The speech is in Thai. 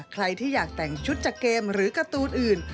ใครที่อยากแต่งชุดจากเกมหรือการ์ตูนอื่น